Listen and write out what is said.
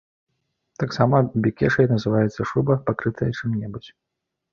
Таксама бекешай называецца шуба, пакрытая чым-небудзь.